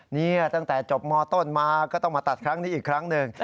นี่ตั้งแต่จบมต้นมาก็ต้องมาตัดครั้งนี้อีกครั้งหนึ่ง